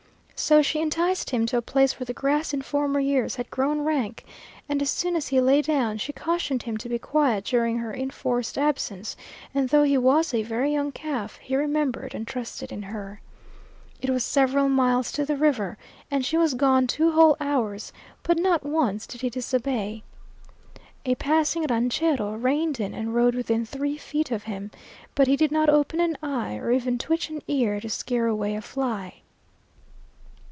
So she enticed him to a place where the grass in former years had grown rank, and as soon as he lay down she cautioned him to be quiet during her enforced absence, and though he was a very young calf he remembered and trusted in her. It was several miles to the river, and she was gone two whole hours, but not once did he disobey. A passing ranchero reined in and rode within three feet of him, but he did not open an eye or even twitch an ear to scare away a fly.